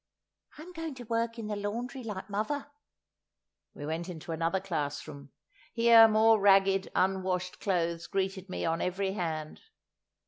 "I'm going to work in the laundry like muvver!" We went into another classroom; here more ragged unwashed clothes greeted me on every hand.